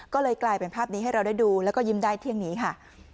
ก็เลยกลายเป็นภาพนี้ให้เราได้ดูแล้วก็ยิ้มได้เที่ยงนี้ค่ะ